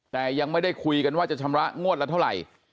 แต่ยังไม่ได้คุยกันว่าจะชำระงวดละเท่าไหร่